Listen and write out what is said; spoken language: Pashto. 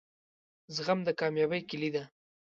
زغم دکامیابۍ کیلي ده